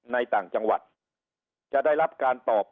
ต่างจังหวัดจะได้รับการตอบ